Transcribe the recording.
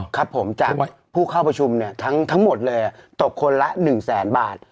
ครับผมจากผู้เข้าประชุมเนี่ยทั้งหมดเลยตกคนละ๑แสนบาท